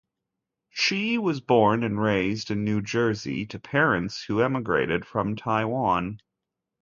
Shih was born and raised in New Jersey to parents who emigrated from Taiwan.